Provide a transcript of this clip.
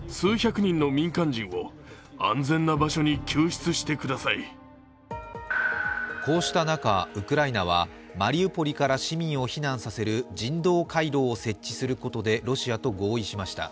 そして、製鉄所を守るウクライナ軍の司令官はこうした中、ウクライナはマリウポリから市民を避難させる人道回廊を設置することでロシアと合意しました。